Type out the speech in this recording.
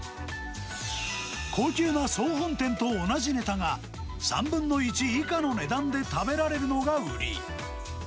高級な総本店と同じネタが、３分の１以下の値段で食べられるのが売り。